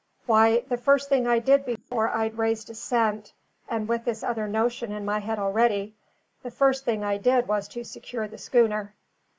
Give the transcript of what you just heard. Why, the first thing I did before I'd raised a cent, and with this other notion in my head already the first thing I did was to secure the schooner.